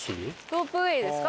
ロープウェイですか？